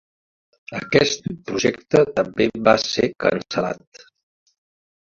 Aquest projecte també va ser cancel·lat.